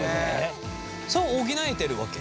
それは補えてるわけ？